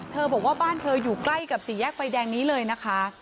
บอกว่าบ้านเธออยู่ใกล้กับสี่แยกไฟแดงนี้เลยนะคะ